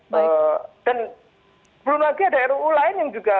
belum lagi ada ruu lain yang juga